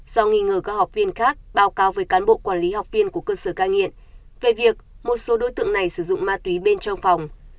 do nghi ngờ các học viên khác báo cáo với cán bộ quản lý học viên của cơ sở cai nghiện về việc một số đối tượng này sử dụng ma túy bên trong phòng